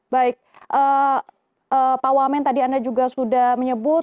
baik pak wamen tadi anda juga sudah menyebut